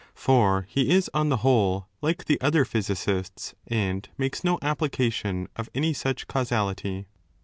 For he is, on the whole, like the other physicists^ and makes no application of any such causality.